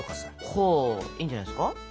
ほいいんじゃないですか。